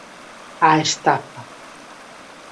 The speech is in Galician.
A estafa.